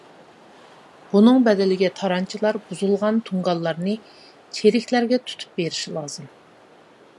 بۇنىڭ بەدىلىگە تارانچىلار بۇزۇلغان تۇڭگانلارنى چېرىكلەرگە تۇتۇپ بېرىشى لازىم.